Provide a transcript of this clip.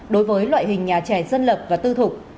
đối với loại hình nhà trẻ dân lập và tư thục